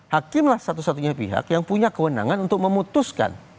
hakim lah satu satunya pihak yang punya kewenangan untuk memutuskan